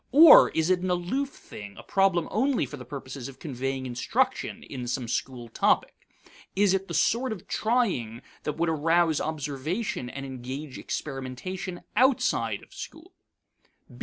Or is it an aloof thing, a problem only for the purposes of conveying instruction in some school topic? Is it the sort of trying that would arouse observation and engage experimentation outside of school?